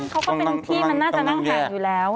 เขาก็เป็นที่มันน่าจะนั่งห่างอยู่แล้ว